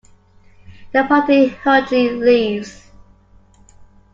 The party hurriedly leaves.